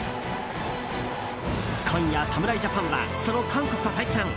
今夜、侍ジャパンはその韓国と対戦。